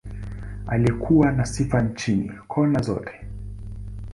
Alikuwa na sifa nchini, kona zote.